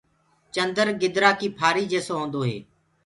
چندر گدرآ ڪي ڦآري جيسو هوندو هي